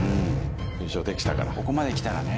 優勝できたからここまで来たらね